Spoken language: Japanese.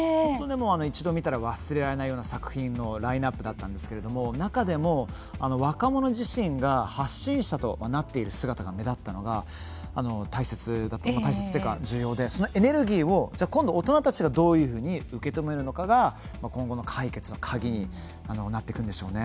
一度見たら忘れられないような作品のラインナップだったんですけれども中でも若者自身が発信者となっている姿が大切、重要でそのエネルギーを大人たちがどういうふうに受け止めるのかが今後の解決の鍵になっていくんでしょうね。